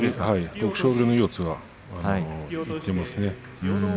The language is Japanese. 徳勝龍の四つにいっていますね。